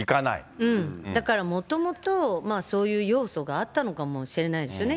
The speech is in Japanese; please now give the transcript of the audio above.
だからもともと、そういう要素があったのかもしれないですよね。